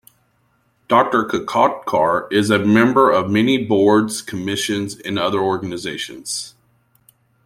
Doctor Kakodkar is a member of many boards, commissions, and other organizations.